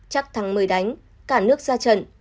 chắc thắng mới đánh cả nước ra trận